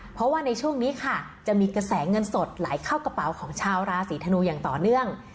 เพราะว่าในช่วงนี้ค่ะจะมีกระแสเงินสดไหลเข้ากระเป๋าของชาวราศีธนูอย่างต่อเนื่อง